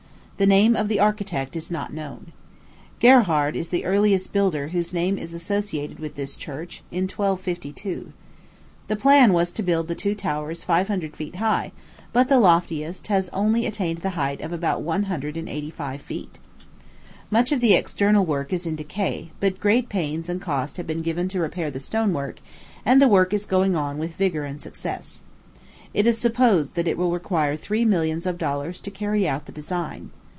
The name of the architect is not known. Gerhard is the earliest builder whose name is associated with this church, in 1252. The plan was to build the two towers five hundred feet high; but the loftiest has only attained the height of about one hundred and eighty five feet. Much of the external work is in decay; but great pains and cost have been given to repair the stone work, and the work is going on with vigor and success. It is supposed that it will require three millions of dollars to carry out the design.